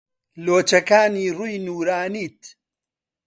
لۆچەکانی ڕووی نوورانیت